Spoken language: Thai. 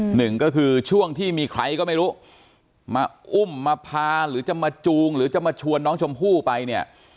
หนึ่งก็คือช่วงที่มีใครก็ไม่รู้มาอุ้มมาพาหรือจะมาจูงหรือจะมาชวนน้องชมพู่ไปเนี่ย